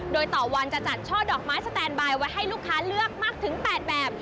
โดยต่อวันจะจัดช่อดอกไม้สแตนบายไว้ให้ลูกค้าเลือกมากถึง๘แบบ